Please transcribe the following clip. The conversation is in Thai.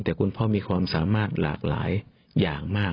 แต่คุณพ่อมีความสามารถหลากหลายอย่างมาก